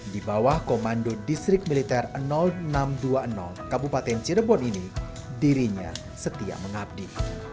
di bawah komando distrik militer enam ratus dua puluh kabupaten cirebon ini dirinya setia mengabdi